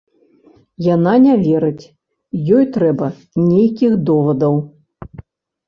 Яна не верыць, ёй трэба нейкіх довадаў!